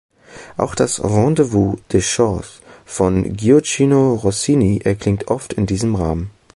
Auch das "Rendez-vous de chasse" von Gioacchino Rossini erklingt oft in diesem Rahmen.